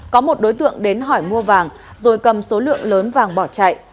có một đối tượng đến hỏi mua vàng rồi cầm số lượng lớn vàng bỏ chạy